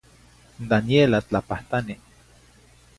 In Daniela tlapahtani.